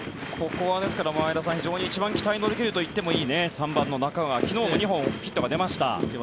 ここは前田さん一番期待できるといっていい３番の中川昨日の２本ヒットが出ました。